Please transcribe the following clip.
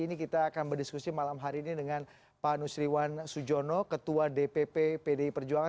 ini kita akan berdiskusi malam hari ini dengan pak nusriwan sujono ketua dpp pdi perjuangan